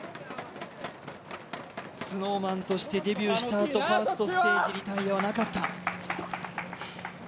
ＳｎｏｗＭａｎとしてデビューしたあとファーストステージリタイアはなかった。